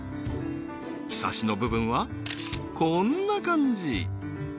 ひさしの部分はこんな感じ